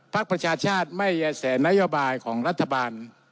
ประชาชาติไม่แย่แสนโยบายของรัฐบาล